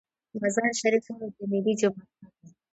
مزار شریف ولې د نیلي جومات ښار دی؟